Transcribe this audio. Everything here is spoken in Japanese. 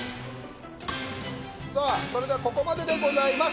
それではここまででございます。